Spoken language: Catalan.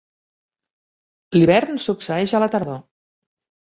L'hivern succeeix a la tardor.